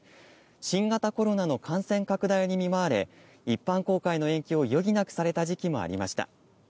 新型コロナの感染拡大に見舞われ、一般公開の延期を余儀なくされた時期もありました。